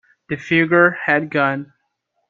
The figure had gone.